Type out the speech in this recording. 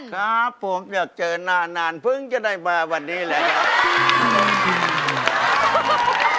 ครับผมอยากเจอน่านเพิ่งจะได้มาวันนี้เลยนะ